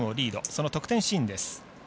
その得点シーンです。